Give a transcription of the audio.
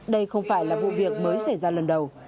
đây không phải là vụ việc mới xảy ra lần đầu